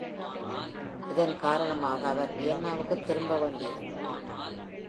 இதன் காரணமாக, அவர் வியன்னாவுக்கு திரும்ப வேண்டியிருந்தது.